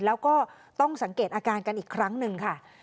แล้วก็ต้องสังเกตอาการกันอีกครั้งหนึ่งค่ะ